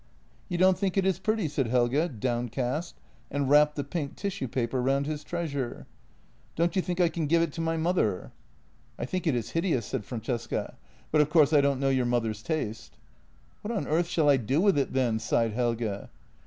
"You don't think it is pretty?" said Helge, downcast, and wrapped the pink tissue paper round his treasure. " Don't you think I can give it to my mother? " JENNY 25 " I think it is hideous," said Francesca, " but, of course, I don't know your mother's taste." " What on earth shall I do with it, then? " sighed Helge.